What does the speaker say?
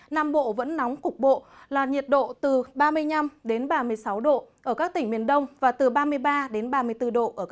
nam bộ vẫn nóng cục bộ nhiệt độ là từ ba mươi năm đến ba mươi sáu độ